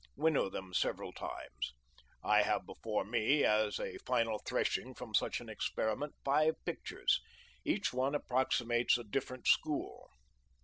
Winnow them several times. I have before me, as a final threshing from such an experiment, five pictures. Each one approximates a different school.